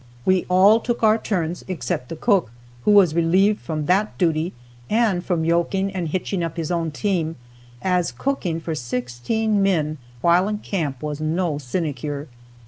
We all took our turns except the cook, who was relieved from that duty and from yoking and hitching up his own team, as cooking for sixteen men while in camp was no sinecure.